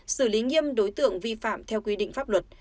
xử lý nghiêm đối tượng vi phạm theo quy định pháp luật